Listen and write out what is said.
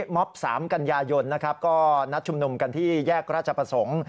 มอบ๓กันยายนนะครับก็นัดชุมนุมกันที่แยกราชประสงค์